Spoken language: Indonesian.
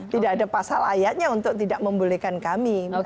tidak ada pasal ayatnya untuk tidak membolehkan kami